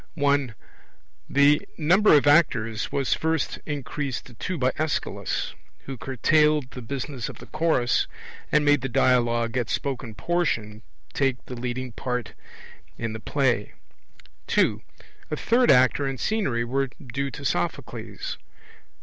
(1) The number of actors was first increased to two by Aeschylus, who curtailed the business of the Chorus, and made the dialogue, or spoken portion, take the leading part in the play. (2) A third actor and scenery were due to Sophocles.